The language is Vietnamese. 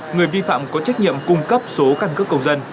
người vi phạm có trách nhiệm cung cấp số căn cước công dân